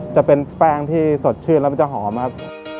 จะเป็นแป้งที่สดชื่นแล้วมันจะหอมครับ